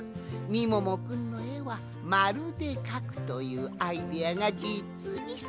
みももくんのえはまるでかくというアイデアがじつにすばらしい。